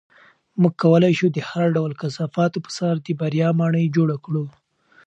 موږ کولی شو د هر ډول کثافاتو په سر د بریا ماڼۍ جوړه کړو.